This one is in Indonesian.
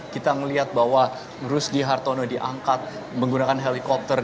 kita melihat bahwa rusdi hartono diangkat menggunakan helikopter